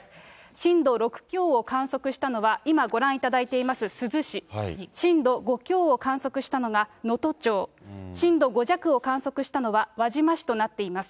震度６強を観測したのは、今ご覧いただいています珠洲市、震度５強を観測したのが能登町、震度５弱を観測したのは輪島市となっています。